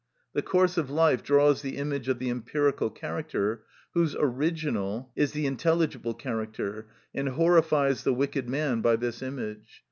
The course of life draws the image of the empirical character, whose original is the intelligible character, and horrifies the wicked man by this image.